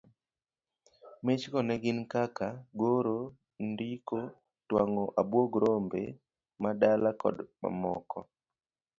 Mich go ne gin kaka, goro, ndiko, twang'o abuog rombemadala koda mamoko.